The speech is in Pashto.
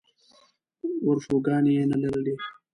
ورشوګانې یې نه لرلې.